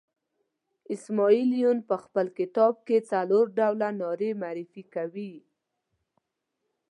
اسماعیل یون په خپل کتاب کې څلور ډوله نارې معرفي کوي.